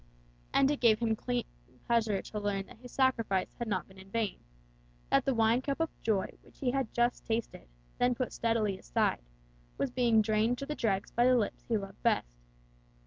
And it gave him keen pleasure that his sacrifice had not been in vain; that the wine cup of joy which he had just tasted, then put steadily aside, was being drained to the dregs by the lips he loved best.